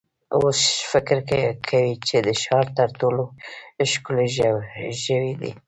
اوښ فکر کوي چې د ښار تر ټولو ښکلی ژوی دی.